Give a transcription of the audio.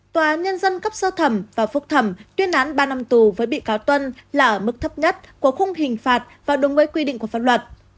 tòa nhân dân cấp sơ thẩm và phúc thẩm tuyên án ba năm tù với bị cáo tuân là ở mức thấp nhất của khung hình phạt và đúng với quy định của pháp luật